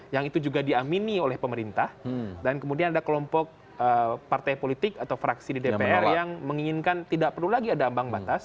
yang itu juga diamini oleh pemerintah dan kemudian ada kelompok partai politik atau fraksi di dpr yang menginginkan tidak perlu lagi ada ambang batas